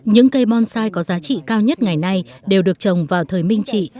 những cây bonsai có giá trị cao nhất ngày nay đều được trồng vào thời minh trị